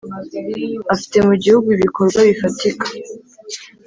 afite mu gihugu ibikorwa bifatika.